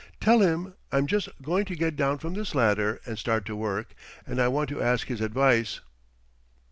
Tell him I'm just going to get down from this ladder and start to work, and I want to ask his advice."